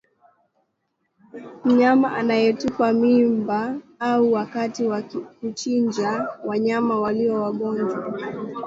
mnyama anayetupa mimba au wakati wa kuchinja wanyama walio wagonjwa